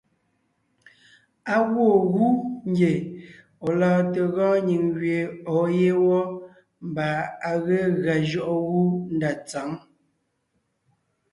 Á gwoon gú ngie ɔ̀ lɔɔn te gɔɔn nyìŋ gẅie ɔ̀ɔ yé wɔ́ mbà à ge gʉa jʉɔʼɔ gú ndá tsǎŋ.